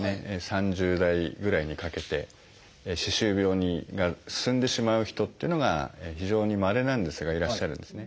３０代ぐらいにかけて歯周病が進んでしまう人っていうのが非常にまれなんですがいらっしゃるんですね。